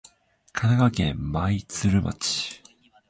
神奈川県真鶴町